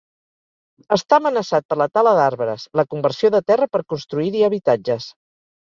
Està amenaçat per la tala d'arbres, la conversió de terra per construir-hi habitatges.